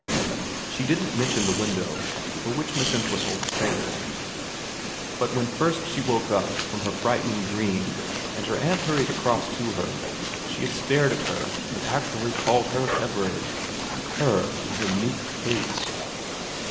She didn't mention the window, for which Miss Entwhistle was thankful ; but when first 316 VERA xivm she woke up from her frightening dream and her aunt hurried across to her, she had stared at her and actually called her Everard her, in her meek plaits.